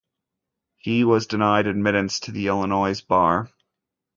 He was denied admittance to the Illinois Bar.